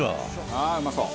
ああーうまそう！